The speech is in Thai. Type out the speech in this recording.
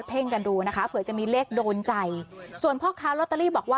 ่งกันดูนะคะเผื่อจะมีเลขโดนใจส่วนพ่อค้าลอตเตอรี่บอกว่า